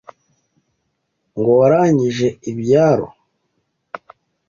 Ngo wagirije ibyaro